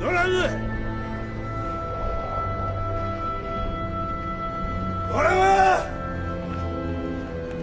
ドラム！ドラム！